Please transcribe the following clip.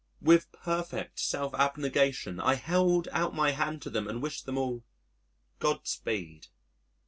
With perfect self abnegation, I held out my hand to them and wished them all "God Speed."